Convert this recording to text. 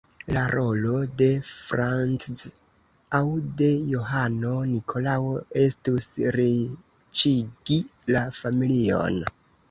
La rolo de Frantz aŭ de Johano-Nikolao estus, riĉigi la familion.